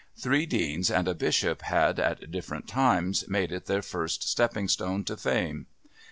Three Deans and a Bishop had, at different times, made it their first stepping stone to fame.